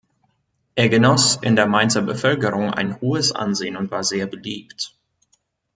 Er genoss in der Mainzer Bevölkerung ein hohes Ansehen und war sehr beliebt.